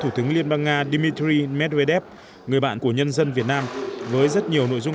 thủ tướng liên bang nga dmitry medvedev người bạn của nhân dân việt nam với rất nhiều nội dung